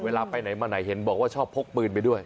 เวลาไปไหนมาไหนเห็นบอกว่าชอบพกปืนไปด้วย